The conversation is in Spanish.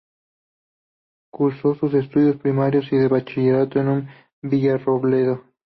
Cursó sus estudios primarios y de Bachillerato en su Villarrobledo.